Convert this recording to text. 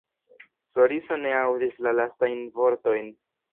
Floriso ne aŭdis la lastajn vortojn.